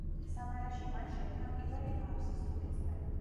სამარაში მან შექმნა პირველი მარქსისტული წრე.